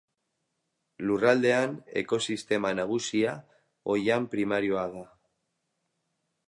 Lurraldean ekosistema nagusia oihan primarioa da.